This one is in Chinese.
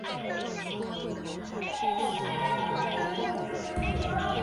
短萼素馨是木犀科素馨属的植物。